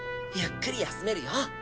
ゆっくり休めるよ。